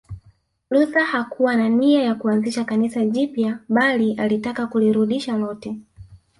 Luther hakuwa na nia ya kuanzisha Kanisa jipya bali alitaka kulirudisha lote